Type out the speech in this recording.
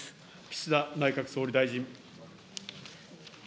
岸田内閣総理大臣。